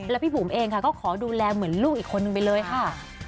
แล้วพี่บุ๋มเองค่ะก็ขอดูแลเหมือนลูกอีกคนนึงไปเลยค่ะ